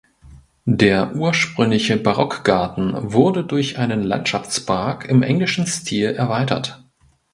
Der ursprüngliche Barockgarten wurde durch einen Landschaftspark im englischen Stil erweitert.